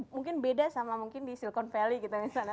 mungkin beda sama mungkin di silicon valley gitu misalnya